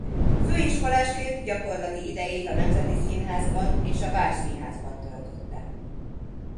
Főiskolásként gyakorlati idejét a Nemzeti Színházban és a Várszínházban töltötte.